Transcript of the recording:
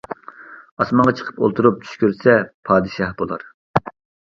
ئاسمانغا چىقىپ ئولتۇرۇپ چۈش كۆرسە، پادىشاھ بولار.